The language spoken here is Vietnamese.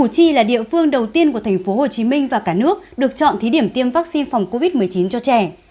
chi là địa phương đầu tiên của tp hcm và cả nước được chọn thí điểm tiêm vaccine phòng covid một mươi chín cho trẻ